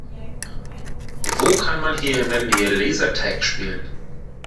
Wo kann man hier in der Nähe Lasertag spielen?